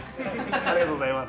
ありがとうございます。